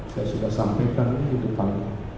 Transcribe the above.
saya sudah sampaikan di depan